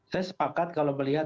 saya sepakat kalau melihat